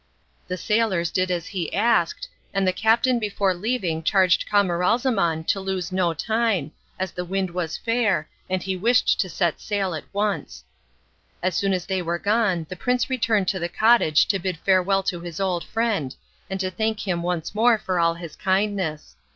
The sailors did as he asked, and the captain before leaving charged Camaralzaman to lose no time, as the wind was fair, and he wished to set sail at once. As soon as they were gone the prince returned to the cottage to bid farewell to his old friend, and to thank him once more for all his kindness.